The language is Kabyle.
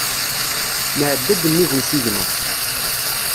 Nɛedda-d nnig usigna.